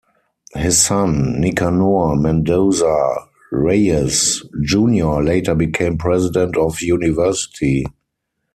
His son, Nicanor Mendoza Reyes Junior later became president of University.